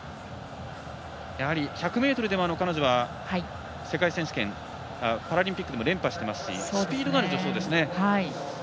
やはり１００ｍでも彼女は世界選手権、パラリンピックでも連覇してますしスピードのある助走ですね。